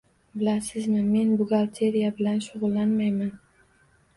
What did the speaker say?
Bilasizmi, men buxgalteriya bilan shugʻullanmayman